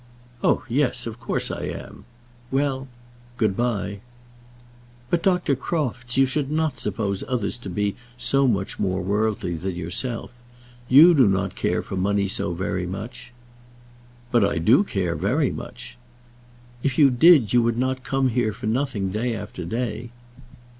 "Oh, yes; of course I am. Well, good by." "But, Dr. Crofts, you should not suppose others to be so much more worldly than yourself. You do not care for money so very much " "But I do care very much." "If you did, you would not come here for nothing day after day."